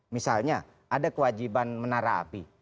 misalnya ada kewajiban menara api